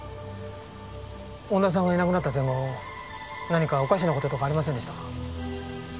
恩田さんがいなくなった前後何かおかしな事とかありませんでしたか？